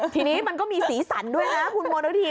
ทีนี้มันก็มีสีสันด้วยนะขุนโมนทิศ